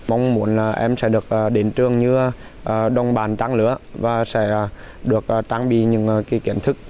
mong muốn là em sẽ được đến trường như đồng bàn trang lửa và sẽ được trang bị những kiến thức